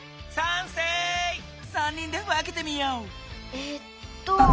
えっと。